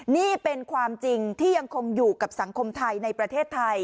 นี่เป็นความจริงที่ยังคงอยู่กับสังคมไทยในประเทศไทย